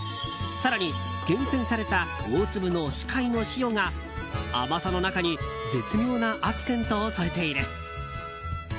更に、厳選された大粒の死海の塩が甘さの中に絶妙なアクセントを添えている。